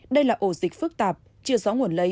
đây là ổ dịch phức tạp chưa rõ nguồn lây